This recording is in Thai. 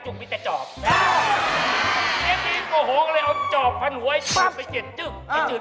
ดูเอานี้ดีกว่าไหนมาละอยากไปตลกไหม